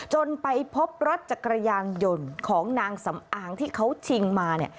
จนไปพบรถจักรยานยนต์ของนางสำอางที่เขาชิงมาเนี่ย